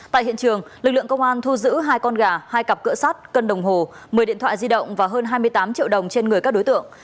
tại hiện trường lực lượng công an thu giữ hai con gà hai cặp cỡ sát cân đồng hồ một mươi điện thoại di động và hơn hai mươi tám triệu đồng trên người các đối tượng